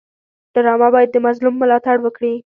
ډرامه باید د مظلوم ملاتړ وکړي